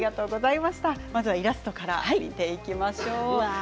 まずはイラストから見ていきましょう。